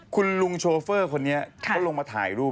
คุณลุงโชเฟอร์คนนี้เขาลงมาถ่ายรูป